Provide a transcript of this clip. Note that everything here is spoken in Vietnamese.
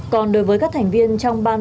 còn đối với các thành viên trong ban